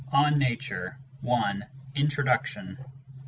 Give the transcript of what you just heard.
ON NATURE. I. Introduction.!